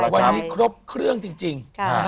วันนี้ครบเครื่องจริง